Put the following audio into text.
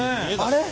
あれ？